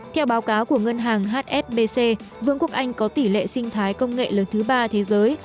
theo báo cáo của ngân hàng hsbc vương quốc anh có tỷ lệ sinh thái công nghệ lớn thứ ba thế giới